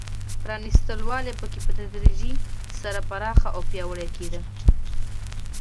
پرانېست والی په کې په تدریج سره پراخ او پیاوړی کېده.